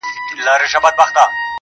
گراني بس څو ورځي لاصبر وكړه,